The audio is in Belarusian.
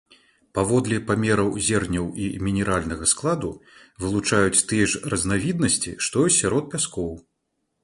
Паводле памераў зерняў і мінеральнага складу вылучаюць тыя ж разнавіднасці, што і сярод пяскоў.